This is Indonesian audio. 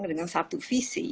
dengan satu visi